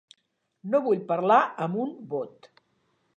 No vull parlar amb un bot.